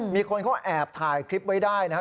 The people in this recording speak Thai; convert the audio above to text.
มีคนเขาแอบถ่ายคลิปไว้ได้นะครับ